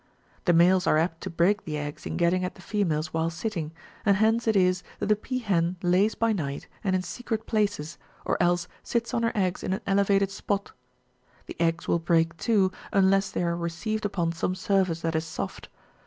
The males are apt to break the eggs in getting at the females while sitting, and hence it is that the pea hen lays by night, and in secret places, or else sits on her eggs in an elevated spot ; the eggs will break, too, unless they are received upon some surface that is soft.